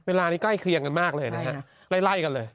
เวลานี้ใกล้เคียงกันมากเลยนะฮะไล่กันเลย